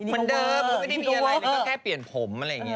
มันเดิมมันไม่ได้มีอะไรมันแค่เปลี่ยนผมอะไรอย่างเงี้ย